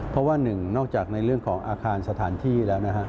เพราะว่าหนึ่งนอกจากในเรื่องของอาคารสถานที่แล้วนะฮะ